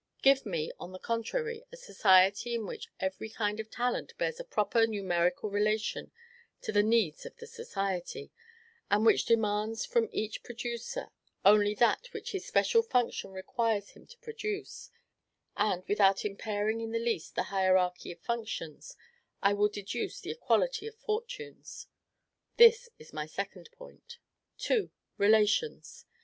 Give me, on the contrary, a society in which every kind of talent bears a proper numerical relation to the needs of the society, and which demands from each producer only that which his special function requires him to produce; and, without impairing in the least the hierarchy of functions, I will deduce the equality of fortunes. This is my second point. II. RELATIONS.